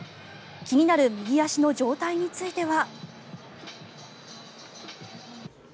気になる右足の状態については。